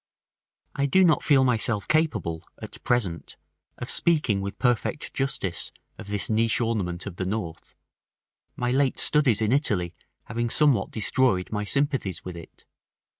§ X. I do not feel myself capable at present of speaking with perfect justice of this niche ornament of the north, my late studies in Italy having somewhat destroyed my sympathies with it.